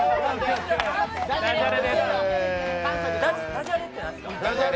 ダジャレって何ですか？